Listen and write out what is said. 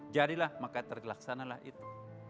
jadilah maka terlaksanalah itu